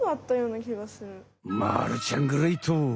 まるちゃんグレイト！